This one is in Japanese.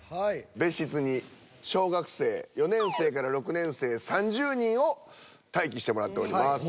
別室に小学生４年生６年生３０人待機してもらっております。